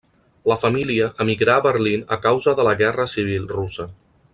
La família emigrà a Berlín a causa de la Guerra Civil Russa.